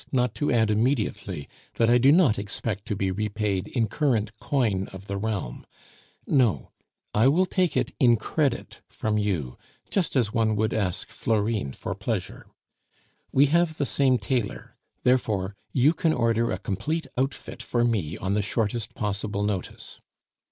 not to add immediately that I do not expect to be repaid in current coin of the realm; no, I will take it in credit from you, just as one would ask Florine for pleasure. We have the same tailor; therefore, you can order a complete outfit for me on the shortest possible notice.